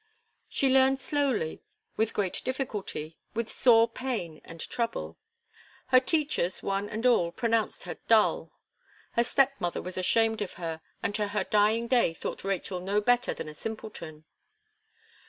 She learned slowly, with great difficulty, with sore pain and trouble. Her teachers, one and all, pronounced her dull; her step mother was ashamed of her, and to her dying day thought Rachel no better than a simpleton.